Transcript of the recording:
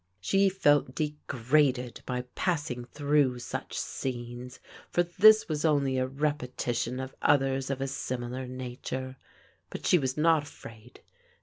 She felt degraded by passing through such scenes, for this was only a repetition of others of a similar nature. But she was not afraid.